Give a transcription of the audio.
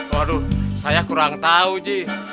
waduh saya kurang tahu ji